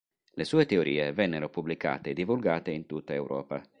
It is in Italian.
Le sue teorie vennero pubblicate e divulgate in tutta Europa.